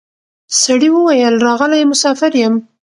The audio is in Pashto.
سړي وویل راغلی مسافر یم